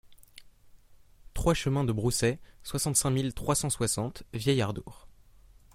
trois chemin de Brousset, soixante-cinq mille trois cent soixante Vielle-Adour